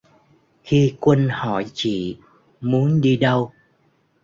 Khi quân hỏi chị muốn đi đâu